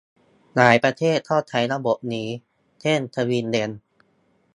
หลายประเทศก็ใช้ระบบนี้ เช่น สวีเดน